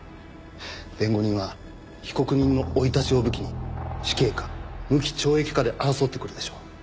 弁護人は被告人の生い立ちを武器に死刑か無期懲役かで争ってくるでしょう。